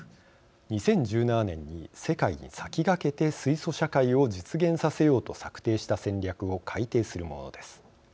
２０１７年に世界に先がけて水素社会を実現させようと策定した戦略を改定するものです。